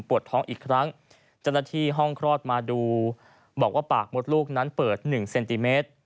ปวดท้องอีกครั้งจันทรธีห้องคลอดมาดูบอกว่าปากมดลูกนั้นเปิดหนึ่งเซนติเมตร